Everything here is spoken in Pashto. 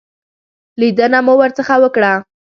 لیدنه مو ورڅخه وکړه.